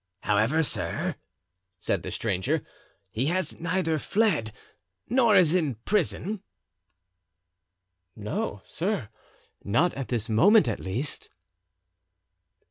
"However, sir," said the stranger, "he has neither fled nor is in prison?" "No, sir, not at this moment at least."